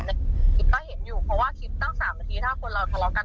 ในคลิปก็เห็นอยู่เพราะว่าคลิปตั้ง๓นาทีถ้าคนเราทะเลาะกัน